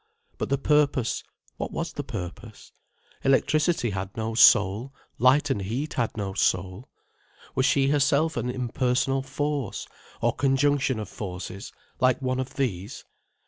But the purpose, what was the purpose? Electricity had no soul, light and heat had no soul. Was she herself an impersonal force, or conjunction of forces, like one of these?